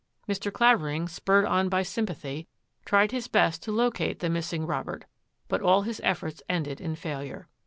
Mr. Clavering, spurred on by sympathy, tried his best to locate the missing Robert, but all his efforts ended in failure.